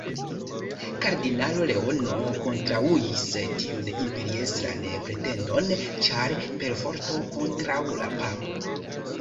Kardinalo Leono kontraŭis tiun imperiestran pretendon ĉar perforto kontraŭ la papo.